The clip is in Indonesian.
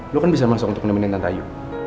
lo kan bisa masuk untuk nemenin tante ayu